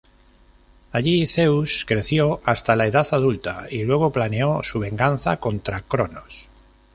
Allí Zeus creció hasta la edad adulta y luego planeó su venganza contra Cronos.